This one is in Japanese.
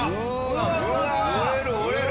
折れる折れる！